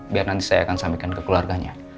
biar nanti saya akan sampaikan ke keluarganya